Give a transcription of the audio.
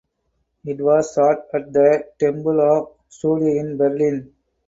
It was shot at the Tempelhof Studios in Berlin.